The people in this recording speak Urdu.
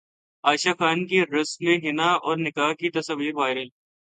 عائشہ خان کی رسم حنا اور نکاح کی تصاویر وائرل